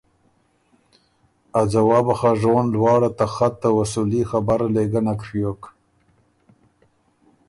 ا ځواب خه ژون لواړه ته خط ته وصولي خبره لې ګۀ نک ڒیوک۔